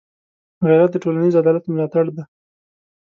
غیرت د ټولنيز عدالت ملاتړی دی